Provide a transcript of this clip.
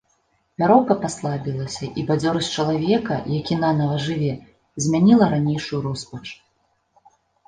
Вяроўка паслабілася, і бадзёрасць чалавека, які нанава жыве, змяніла ранейшую роспач.